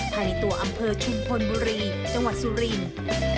ภายในตัวอำเภอชุมพลบุรีจังหวัดสุรินทร์